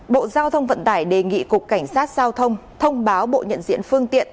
bộ giao thông vận tải đề nghị cục cảnh sát giao thông thông báo bộ nhận diện phương tiện